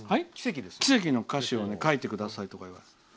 「奇跡」の歌詞を書いてくださいって言われて。